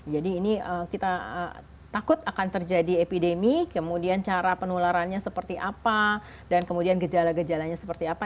jadi ini kita takut akan terjadi epidemi kemudian cara penularannya seperti apa dan kemudian gejala gejalanya seperti apa